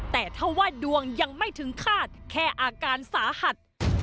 แต่ถ้าว่าดวงยังไม่ถึงคาดแค่อาการสาหัส